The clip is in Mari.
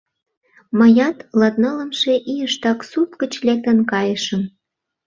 — Мыят латнылымше ийыштак сурт гыч лектын кайышым.